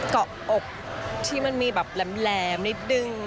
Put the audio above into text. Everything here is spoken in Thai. เกาะอกที่มันมีแบบแหลมนิดนึง